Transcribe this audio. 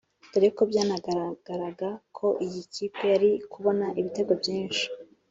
dore ko byanagaragaraga ko iyi kipe yari kubona ibitego byinshi